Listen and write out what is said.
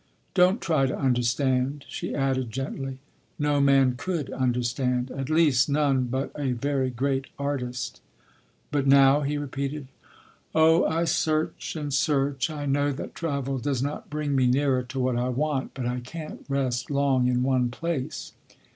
"Don’t try to understand," she added gently. "No man could understand—at least, none but a very great artist." "But now," he repeated. "Oh, I search and search. I know that travel does not bring me nearer to what I want, but I can’t rest long in one place.